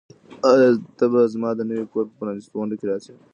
آیا ته به زما د نوي کور په پرانیستغونډه کې راشې؟